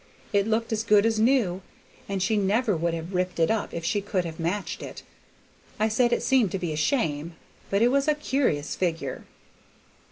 It looked as good as new, and she never would have ripped it up if she could have matched it. I said it seemed to be a shame, but it was a curi's figure.